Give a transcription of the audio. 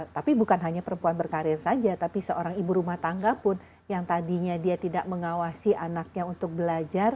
tapi bukan hanya perempuan berkarir saja tapi seorang ibu rumah tangga pun yang tadinya dia tidak mengawasi anaknya untuk belajar